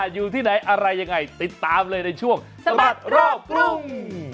อยู่ที่ไหนอะไรยังไงติดตามเลยในช่วงสบัดรอบกรุง